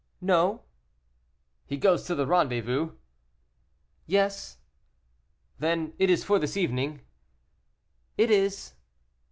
"No." "He goes to the rendezvous?" "Yes." "Then it is for this evening?" "It is."